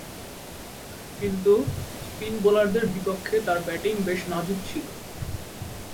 কিন্তু, স্পিন বোলারদের বিপক্ষে তার ব্যাটিং বেশ নাজুক ছিল।